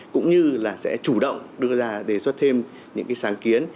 cũng như là sẽ chủ động đưa ra đề xuất thêm những sáng kiến